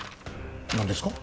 何ですか？